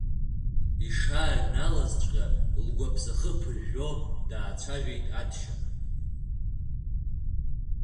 Ишааҩналазҵәҟьа лгәаԥсахы ԥыжәжәо даацәажәеит Адшьа.